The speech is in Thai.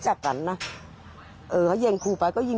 พวกมันต้องกินกันพี่